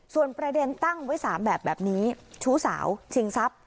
ส่วนประเด็นตั้งไว้๓แบบแบบนี้ชู้สาวชิงทรัพย์